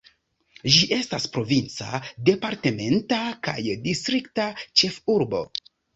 Ĝi estas provinca, departementa ka distrikta ĉefurbo.